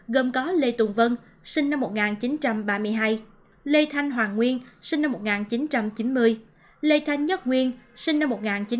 gồm có lê tùng vân sinh năm một nghìn chín trăm ba mươi hai lê thanh hoàng nguyên sinh năm một nghìn chín trăm chín mươi lê thanh nhất nguyên sinh năm một nghìn chín trăm chín mươi